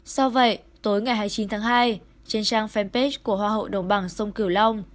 do vậy tối ngày hai mươi chín tháng hai trên trang fanpage của hoa hậu đồng bằng sông cửu long